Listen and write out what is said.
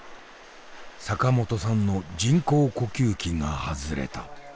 坂本さんの人工呼吸器が外れた。